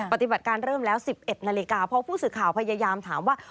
ปฏิบัติการเริ่มแล้ว๑๑นาฬิกาเพราะผู้สื่อข่าวพยายามถามว่า